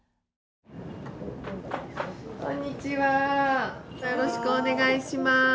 よろしくお願いします。